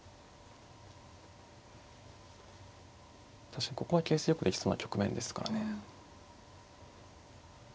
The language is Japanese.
確かにここは形勢よくできそうな局面ですからね。